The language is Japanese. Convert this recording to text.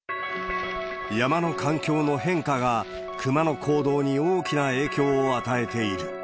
山の環境の変化がクマの行動に大きな影響を与えている。